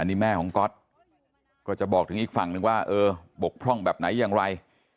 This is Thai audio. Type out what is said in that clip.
นี่แม่ของก๊อตก็จะบอกถึงอีกฝั่งนึงว่าเออบกพร่องแบบไหนอย่างไร